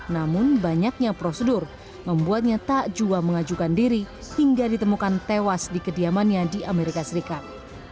namun banyaknya prosedur membuatnya tak jua mengajukan diri hingga ditemukan tewas di kediamannya di amerika serikat